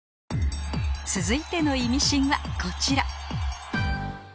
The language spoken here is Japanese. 続いてのイミシンはこちら